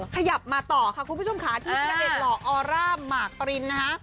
ขยับมาต่อค่ะคุณผู้ชมขาที่ล่ออร่ามาร์กตรินนะฮะ